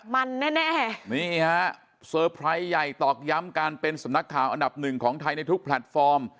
มันแน่แน่นี่ฮะเซอร์ไพรส์ใหญ่ตอกย้ำการเป็นสำนักข่าวอันดับหนึ่งของไทยในทุกแพลตฟอร์ม